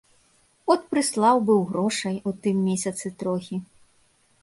От прыслаў быў грошай у тым месяцы трохі.